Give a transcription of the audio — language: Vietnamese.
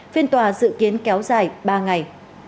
phiên tòa dự kiến kéo dài ba ngày